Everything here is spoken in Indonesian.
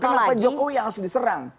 kenapa jokowi yang harus diserang